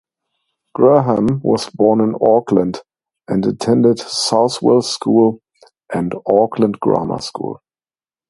Graham was born in Auckland, and attended Southwell School and Auckland Grammar School.